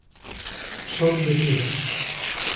Son detidas.